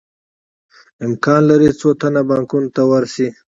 امکان لري څو تنه بانکونو ته ورشي